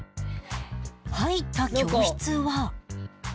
入った教室は